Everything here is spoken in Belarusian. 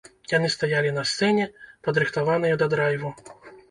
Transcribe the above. Яны стаялі на сцэне, падрыхтаваныя да драйву.